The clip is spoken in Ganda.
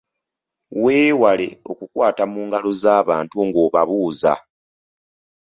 Weewale okukwata mu ngalo z'abantu ng'obabuuza.